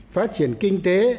phát triển kinh tế